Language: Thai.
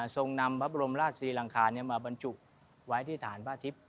นำพระบรมราชศรีรังคารมาบรรจุไว้ที่ฐานพระอาทิตย์